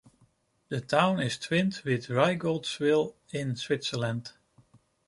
The town is twinned with Reigoldswil in Switzerland.